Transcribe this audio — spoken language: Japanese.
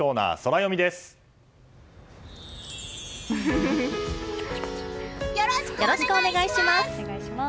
よろしくお願いします！